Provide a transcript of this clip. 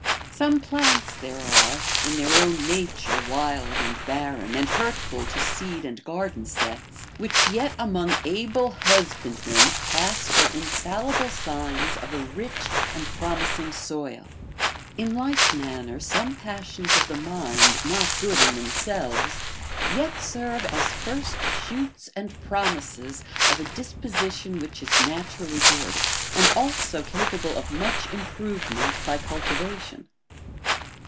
Some plants there are, in their own nature wild and barren, and hurtful to seed and garden sets, Avhich yet among able husbandmen pass for infallible signs of a rich and promising soil. In like manner, some passions of the mind not good in themselves yet serve as first shoots and promises of a disposition which is naturally good, and also capable of much improvement by cultivation.